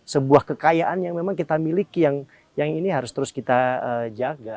sebuah kekayaan yang memang kita miliki yang ini harus terus kita jaga